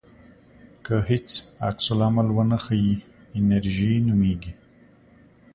که هیڅ عکس العمل ونه ښیې انېرژي نومېږي.